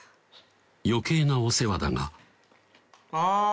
余計なお世話だがあ！